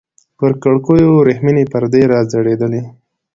پر کړکيو ورېښمينې پردې راځړېدلې.